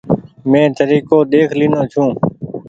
مين تريڪو ۮيک لينو ڇون ۔